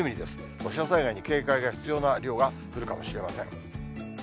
土砂災害に警戒が必要な量が降るかもしれません。